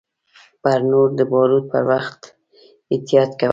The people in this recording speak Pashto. پر نور د باور پر وخت احتياط کوه .